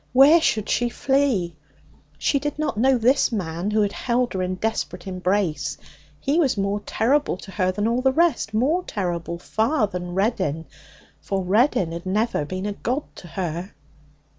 Where should she flee? She did not know this man who held her in desperate embrace. He was more terrible to her than all the rest more terrible, far, than Reddin for Reddin had never been a god to her.